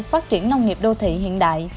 phát triển nông nghiệp đô thị hiện đại